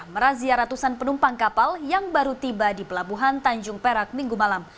merazia ratusan penumpang kapal yang baru tiba di pelabuhan tanjung perak minggu malam